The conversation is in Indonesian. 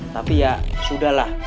tapi ya sudah lah